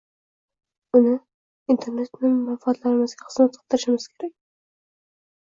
uni – internetni manfaatlarimizga xizmat qildirishimiz kerak.